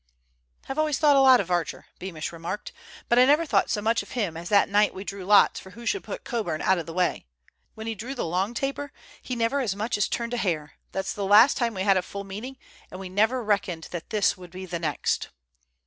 "I've always thought a lot of Archer," Beamish remarked, "but I never thought so much of him as that night we drew lots for who should put Coburn out of the way. When he drew the long taper he never as much as turned a hair. That's the last time we had a full meeting, and we never reckoned that this would be the next."